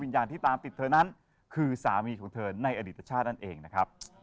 อย่างที่ตามติดเธอนั้นคือสามีของเธอในอดีตชาตินั่นเองนะครับ